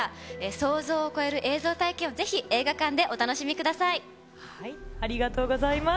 想像を超える映像体験をぜひ、映画館でお楽しありがとうございます。